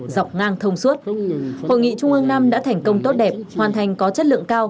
dọc ngang thông suốt hội nghị trung ương năm đã thành công tốt đẹp hoàn thành có chất lượng cao